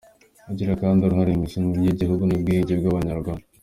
Ugira kandi uruhare mu isanwa ry’igihugu n’ubwiyunge bw’abanyarwanda ;